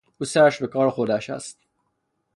او سرش به کار خودش است.